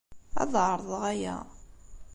Ad ɛerḍeɣ aya.